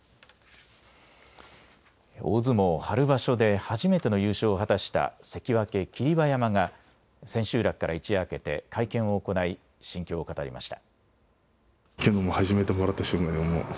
大相撲春場所で初めての優勝を果たした関脇・霧馬山が千秋楽から一夜明けて会見を行い心境を語りました。